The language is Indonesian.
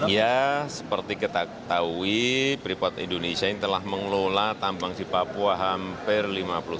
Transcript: ya seperti kita ketahui freeport indonesia yang telah mengelola tambang di papua hampir lima puluh persen